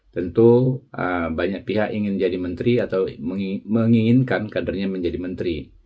tentu banyak pihak ingin jadi menteri atau menginginkan kadernya menjadi menteri